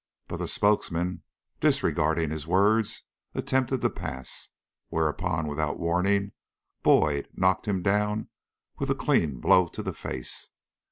But the spokesman, disregarding his words, attempted to pass, whereupon without warning Boyd knocked him down with a clean blow to the face.